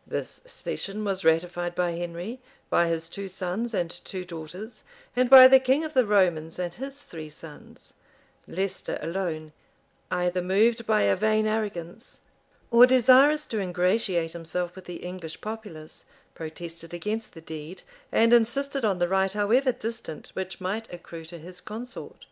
[*] This cession was ratified by Henry, by his two sons and two daughters, and by the king of the Romans and his three sons: Leicester alone, either moved by a vain arrogance, or desirous to ingratiate himself with the English populace, protested against the deed, and insisted on the right, however distant, which might accrue to his consort.